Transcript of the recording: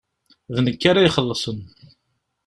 D nekk ara ixelṣen.